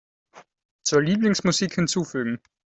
Zur Lieblingsmusik hinzufügen.